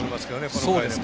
この回でも。